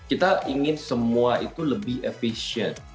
kita ingin semua itu lebih efisien